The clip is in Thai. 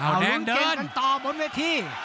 เอาวงเจงกันต่อบนแวที